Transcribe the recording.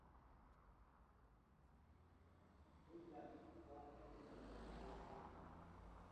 Kilyan asiko anegei neko konu tebutik?